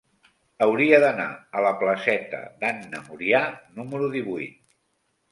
Hauria d'anar a la placeta d'Anna Murià número divuit.